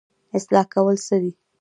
اصلاح کول څه دي؟